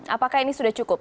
apakah ini sudah cukup